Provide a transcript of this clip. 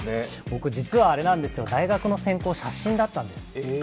僕実は、大学の専攻、写真だったんです。